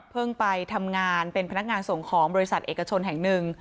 ไปทำงานเป็นพนักงานส่งของบริษัทเอกชนแห่งหนึ่ง